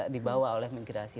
dibawa oleh migrasi